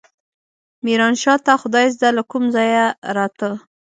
ميرانشاه ته خدايزده له کوم ځايه راته.